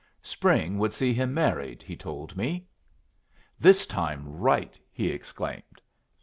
Spring would see him married, he told me. "This time right!" he exclaimed.